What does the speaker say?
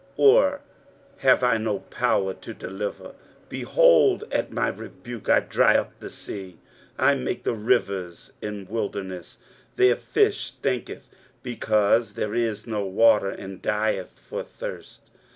or have I no power to deliver? behold, at my rebuke I dry up the sea, I make the rivers a wilderness: their fish stinketh, because there is no water, and dieth for thirst.